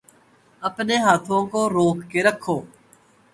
اپنے ہاتھوں کو روک کے رکھو